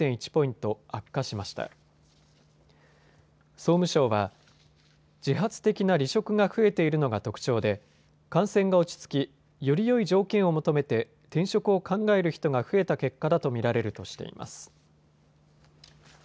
総務省は自発的な離職が増えているのが特徴で感染が落ち着き、よりよい条件を求めて転職を考える人が増えた結果だと見られるとしています。